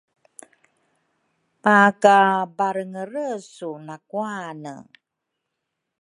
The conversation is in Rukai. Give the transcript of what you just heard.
pakabarengeresu nakuane.